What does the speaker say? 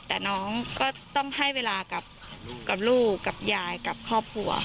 แต่น้องก็ต้องให้เวลากับลูกกับยายกับครอบครัว